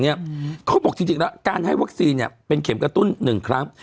เขาบอกจริงแล้วการให้วัคซีนเนี่ยเป็นเข็มกระตุ้นหนึ่งครั้ง